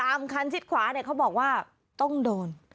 คันชิดขวาเนี่ยเขาบอกว่าต้องโดน